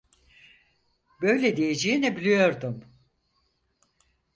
Böyle diyeceğini biliyordum.